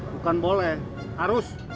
bukan boleh harus